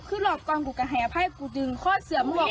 แต่หลอกมีมึงโหดปลอด